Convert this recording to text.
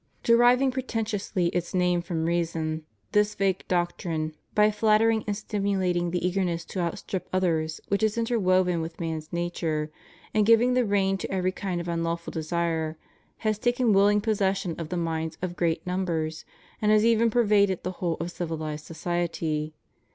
Deriving pretentiously its name from Reason, this false doctrine, by flattering and stimulating the eagerness to outstrip others which is interwoven with man's nature, and giving the rein to every kind of unlawful desire, has taken wilhng possession of the minds of great numbers, and has even pervaded the whole of civilized society.